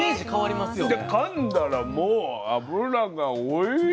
でかんだらもう脂がおいしい。